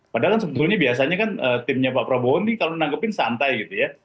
padahal kan sebetulnya biasanya kan timnya pak prabowo ini kalau menanggapin santai gitu ya